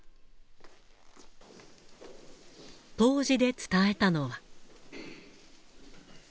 答辞で伝えたのは。